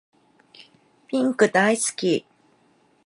ピンク大好き